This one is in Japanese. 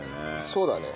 そうだね。